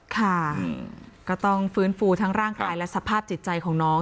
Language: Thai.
ค่ะก็ต้องฟื้นฟูทั้งร่างกายและสภาพจิตใจของน้อง